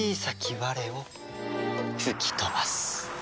我を吹き飛ばす。